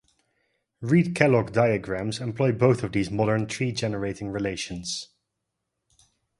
Reed-Kellogg diagrams employ both of these modern tree generating relations.